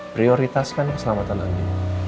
prioritaskan keselamatan andi